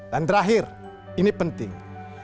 dan terakhir ini penting